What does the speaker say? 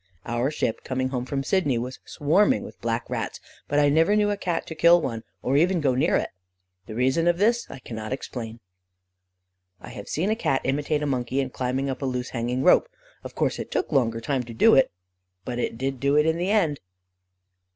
Our ship, coming home from Sydney, was swarming with black rats, but I never knew a Cat to kill one, or even go near it. The reason of this I cannot explain. "I have seen a Cat imitate a monkey in climbing up a loose hanging rope. Of course it took a longer time to do it, but it did do it in the end."